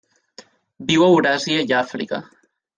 Viu a Euràsia i Àfrica.